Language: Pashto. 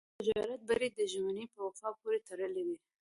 د تجارت بری د ژمنې په وفا پورې تړلی دی.